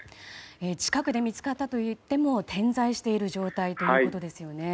近くで見つかったといっても点在している状態ということですよね。